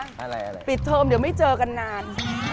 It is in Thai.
อะไรอะไรปิดเทอมเดี๋ยวไม่เจอกันนาน